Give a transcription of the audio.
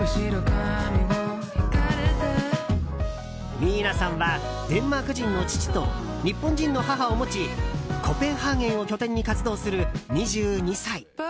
ミイナさんはデンマーク人の父と日本人の母を持ちコペンハーゲンを拠点に活動する２２歳。